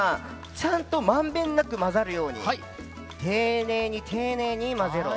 ちゃんと満遍なく混ざるように丁寧に丁寧に混ぜろ。